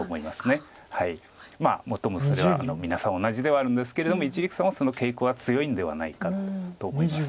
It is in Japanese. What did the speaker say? まあ最もそれは皆さん同じではあるんですけれども一力さんはその傾向が強いんではないかと思います。